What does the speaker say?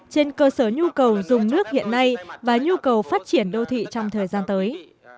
về nhu cầu dùng nước hiện nay và nhu cầu phát triển đô thị trong thời gian tới